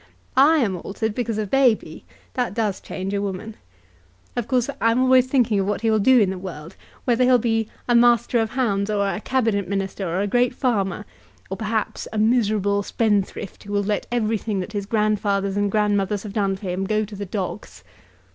I am altered because of Baby. That does change a woman. Of course I'm thinking always of what he will do in the world; whether he'll be a master of hounds or a Cabinet Minister or a great farmer; or perhaps a miserable spendthrift, who will let everything that his grandfathers and grandmothers have done for him go to the dogs."